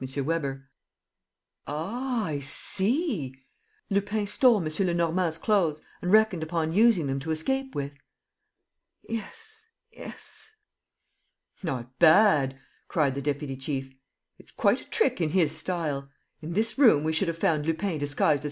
Weber: "Ah, I see! Lupin stole M. Lenormand's clothes and reckoned upon using them to escape with. ..." "Yes ... yes. ..." "Not bad," cried the deputy chief. "It's quite a trick in his style. In this room, we should have found Lupin disguised as M.